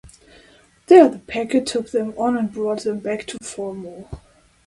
There the packet took them on and brought them back to Falmouth.